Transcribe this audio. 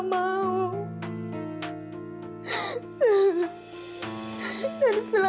aku sudah nganggap yang mewar absolu